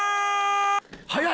速い！